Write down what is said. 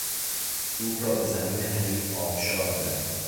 توپ را به زمین حریف آبشار زد.